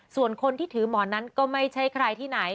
ส่วนคนที่ถือหมอนนั้นก็ไม่ใช่ใครที่ไหน